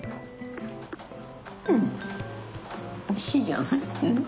うんおいしいじゃない。